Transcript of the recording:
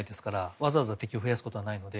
わざわざ敵を増やすことはないので。